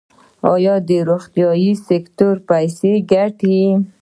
آیا روغتیايي سکتور پیسې ګټي؟